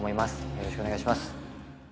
よろしくお願いします